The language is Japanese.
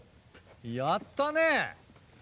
やったね！